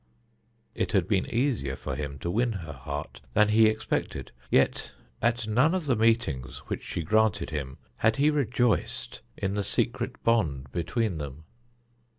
It had been easier for him to win her heart than he expected; yet at none of the meetings which she granted him had he rejoiced in the secret bond between them.